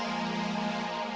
emaknya udah berubah